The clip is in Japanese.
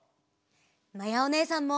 まやおねえさんも！